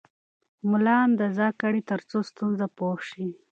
ملا اندازه کړئ ترڅو ستونزه پوه شئ.